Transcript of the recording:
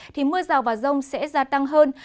thì mưa rào và rông sẽ gia tăng hơn